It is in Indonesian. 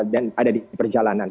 dan ada di perjalanan